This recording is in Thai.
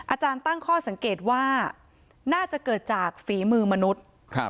อาจารย์ตั้งข้อสังเกตว่าน่าจะเกิดจากฝีมือมนุษย์